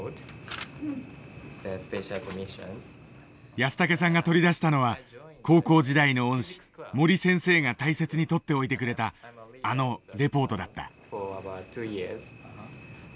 安竹さんが取り出したのは高校時代の恩師森先生が大切に取って置いてくれたあのレポートだった。